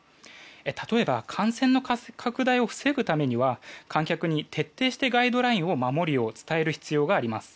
例えば感染の拡大を防ぐためには観客に徹底してガイドラインを守るよう伝える必要があります。